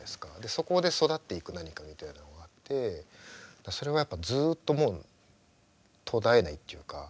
そこで育っていく「何か」みたいなのがあってそれはやっぱずっともう途絶えないというか。